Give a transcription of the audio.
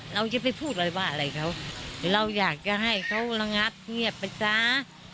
เราจะไปพูดอะไรว่าอะไรเขาเราอยากจะให้เขาระงับเงียบไปซะ